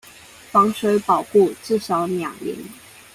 防水保固至少兩年